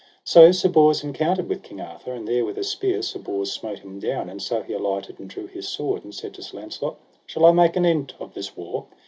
So Sir Bors encountered with King Arthur, and there with a spear Sir Bors smote him down; and so he alighted and drew his sword, and said to Sir Launcelot: Shall I make an end of this war?